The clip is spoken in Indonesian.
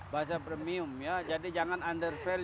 bahasa premium ya jadi jangan under value